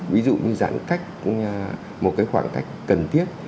ví dụ như giãn cách một khoảng cách cần thiết